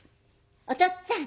「おとっつぁん